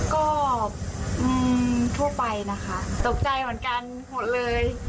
ก็ทั่วไปนะคะตกใจเหมือนกันหมดเลย